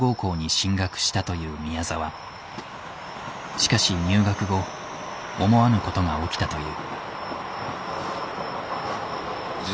しかし入学後思わぬことが起きたという。